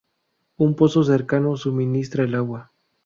Un pozo cercano suministra el agua.